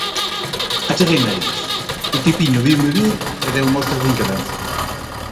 Achegueime a eles; o tipiño viume vir e deu mostras de inquedanza.